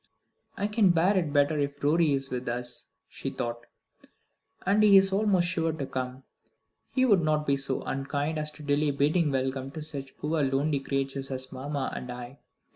"I can bear it better if Rorie is with us," she thought, "and he is almost sure to come. He would not be so unkind as to delay bidding welcome to such poor lonely creatures as mamma and I."